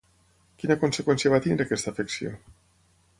Quina conseqüència va tenir aquesta afecció?